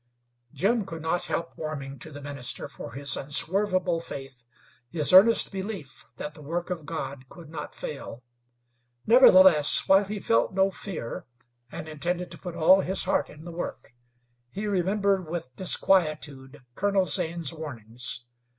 Jim could not help warming to the minister for his unswervable faith, his earnest belief that the work of God could not fail; nevertheless, while he felt no fear and intended to put all his heart in the work, he remembered with disquietude Colonel Zane's warnings.